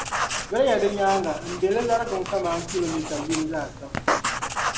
Doliya di nyaaŋa m-be li larigim kaman kilomita yini laasabu.